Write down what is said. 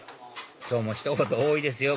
今日もひと言多いですよ！